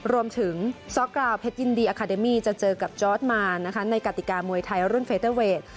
ซ้อกราวเพชรยินดีอาคาเดมี่จะเจอกับจอร์ดมานนะคะในกติกามวยไทยรุ่นเฟเตอร์เวท